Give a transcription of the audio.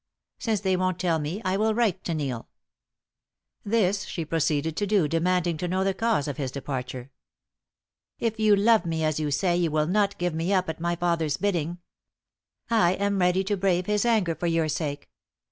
Since they won't tell me I will write to Neil." This she proceeded to do, demanding to know the cause of his departure. "If you love me as you say, you will not give me up at my father's bidding. I am ready to brave his anger for your sake.